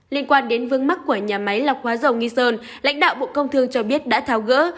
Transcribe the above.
liên quan đến vương mắc của nhà máy lọc hóa dầu nghi sơn lãnh đạo bộ công thương cho biết đã tháo gỡ